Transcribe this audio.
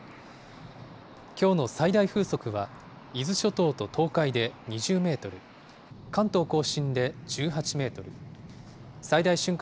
きょうの最大風速は、伊豆諸島と東海で２０メートル、関東甲信で１８メートル、最大瞬間